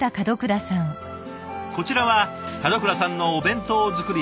こちらは門倉さんのお弁当作り